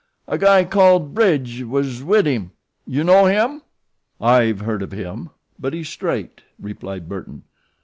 "A guy called Bridge was wid him. You know him?" "I've heard of him; but he's straight," replied Burton.